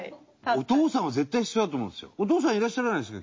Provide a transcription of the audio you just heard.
お父さんは絶対必要だと思うんですよ。